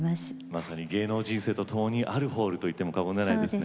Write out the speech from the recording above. まさに芸能人生と共にあるホールと言っても過言ではないですね。